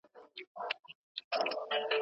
خو یوازې نمرې نه دي.